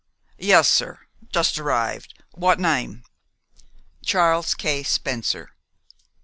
"Yes, sir; just arrived. What name?" "Charles K. Spencer."